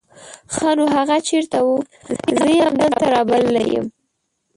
ښا نو هغه چېرته وو؟ زه يې همدلته رابللی يم.